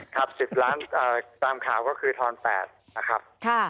๑๐ล้านตามข่าวก็คือทอน๘นะครับ